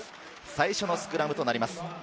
最初のスクラムとなります。